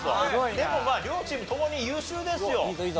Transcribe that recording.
でもまあ両チーム共に優秀ですよ。